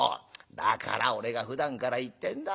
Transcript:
だから俺がふだんから言ってんだろう。